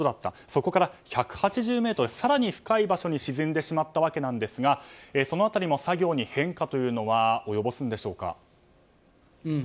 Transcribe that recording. そこから更に深い場所に沈んでしまったわけなんですがその辺りも作業に変化は及ぼすのでしょうか。